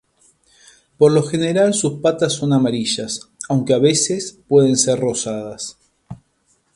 Por lo general sus patas son amarillas aunque a veces pueden ser rosadas.